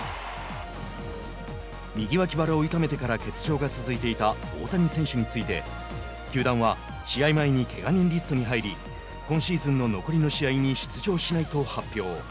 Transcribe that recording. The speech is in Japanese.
右脇腹を痛めてから欠場が続いていた大谷選手について球団は、試合前にけが人リストに入り今シーズンの残りの試合に出場しないと発表。